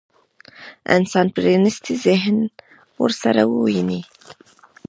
انسان پرانيستي ذهن ورسره وويني.